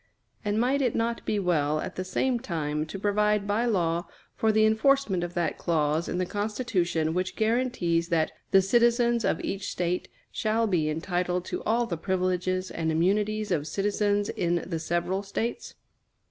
And might it not be well at the same time to provide by law for the enforcement of that clause in the Constitution which guarantees that "the citizens of each State shall be entitled to all the privileges and immunities of citizens in the several States?"